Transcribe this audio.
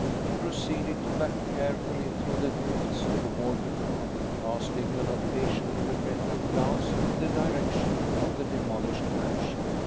He proceeded to back carefully through the drifts toward the road, casting an occasional regretful glance in the direction of the demolished mansion.